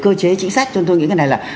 cơ chế chính sách cho tôi nghĩ cái này là